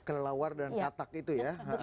kelelawar dan katak itu ya